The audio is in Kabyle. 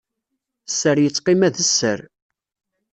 Sser yettqima d sser.